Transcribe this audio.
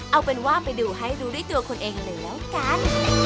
เอาเป็นว่าไปดูให้รู้ด้วยตัวคุณเองเลยแล้วกัน